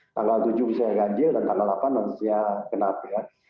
tanggal tujuh bisa gajil dan tanggal delapan harusnya genap ya